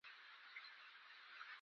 په دې وخت کې یو ځوان پاڅېد.